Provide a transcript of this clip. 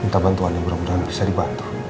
minta bantuan yang berhubungan bisa dibantu